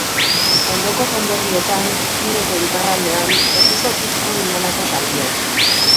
Ondoko konderrietan, Tweed-eko iparraldean, ez duzu aurkituko inolako zaldi onik.